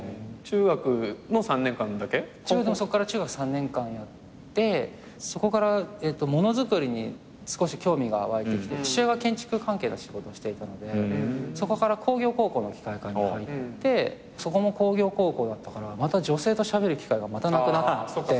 そっから中学３年間やってそこからものづくりに少し興味が湧いてきて父親が建築関係の仕事をしていたのでそこから工業高校の機械科に入ってそこも工業高校だったから女性としゃべる機会がまたなくなって。